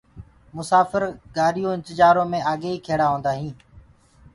مساڦر گآڏِيو انتجآرو مي آگيئيٚ کيڙآ هونٚدآئينٚ